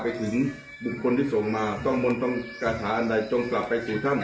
ไปถึงบุคคลที่ส่งมันต้องมนตรงจงกลับไปสู่ถ้ำ